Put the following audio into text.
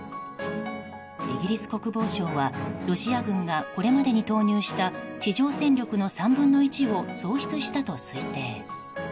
イギリス国防省はロシア軍がこれまでに投入した地上戦力の３分の１を喪失したと推定。